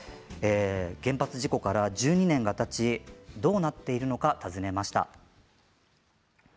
原発事故から１２年がたちどうなっているのか、訪ねました。